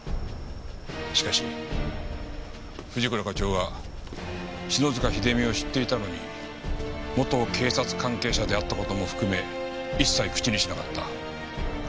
しかし藤倉課長は篠塚秀実を知っていたのに元警察関係者であった事も含め一切口にしなかった。